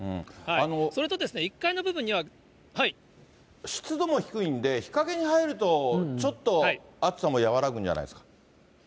それとですね、湿度も低いんで、日陰に入るとちょっと暑さも和らぐんじゃないですか。